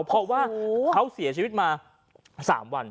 เพราะว่าเขาเสียชีวิตมา๓วัน